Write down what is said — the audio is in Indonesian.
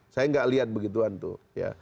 saya nggak lihat begituan tuh ya